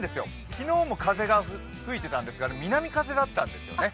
昨日も風が吹いていたんですが、あれ南風だったんですね。